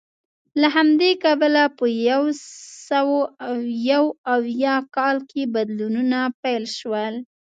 له همدې کبله په یو سوه یو اویا کال کې بدلونونه پیل شول